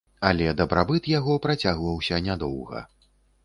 Але дабрабыт яго працягваўся нядоўга.